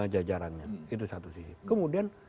jajarannya itu satu sih kemudian